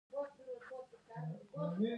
کندهار د افغانستان د جغرافیوي تنوع مثال دی.